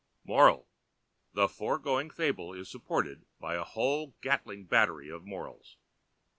Moral—The foregoing fable is supported by a whole Gatling Battery of Morals.